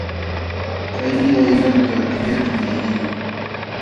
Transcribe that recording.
Paymi waynanta: kuyakmi nin.